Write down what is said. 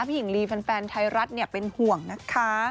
พี่หญิงลีแฟนไทรัศน์เป็นห่วงนะคะ